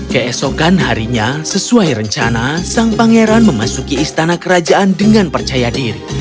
keesokan harinya sesuai rencana sang pangeran memasuki istana kerajaan dengan percaya diri